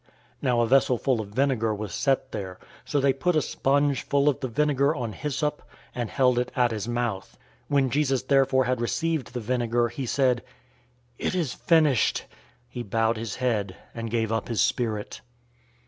019:029 Now a vessel full of vinegar was set there; so they put a sponge full of the vinegar on hyssop, and held it at his mouth. 019:030 When Jesus therefore had received the vinegar, he said, "It is finished." He bowed his head, and gave up his spirit.